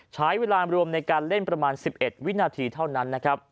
ใช้เวลารวมในการเล่นประมาณ๑๑วินาทีเท่านั้นนะครับ